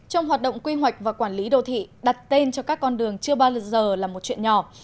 trong hoạt động quy hoạch và quản lý đô thị đặt tên cho các con đường chưa bao giờ là một chuyện nhỏ